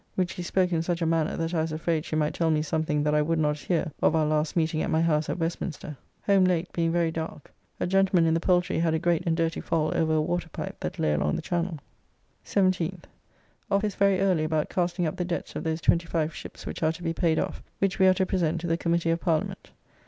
Which she spoke in such a manner that I was afraid she might tell me something that I would not hear of our last meeting at my house at Westminster. Home late, being very dark. A gentleman in the Poultry had a great and dirty fall over a waterpipe that lay along the channel. 17th. Office very early about casting up the debts of those twenty five ships which are to be paid off, which we are to present to the Committee of Parliament.